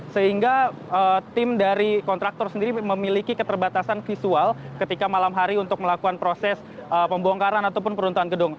sehingga tim dari kontraktor sendiri memiliki keterbatasan visual ketika malam hari untuk melakukan proses pembongkaran ataupun peruntuhan gedung